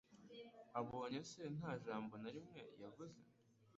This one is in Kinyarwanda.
Abonye se, nta jambo na rimwe yavuze